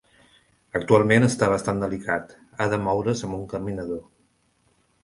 Actualment està bastant delicat, ha de moure"s amb un caminador.